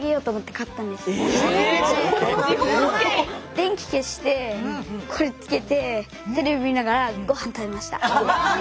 ⁉電気消してこれつけてテレビ見ながらご飯食べました。